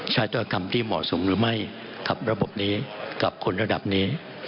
ใช้ธรรมที่เหมาะสมหรือไม่กับระบบนี้กับคนระดับนี้